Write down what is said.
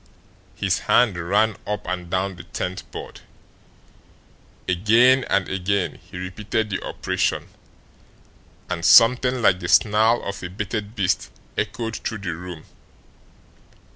His hand ran up and down the tenth board. Again and again he repeated the operation, and something like the snarl of a baited beast echoed through the room.